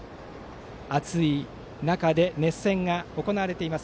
暑い中で熱戦が行われています。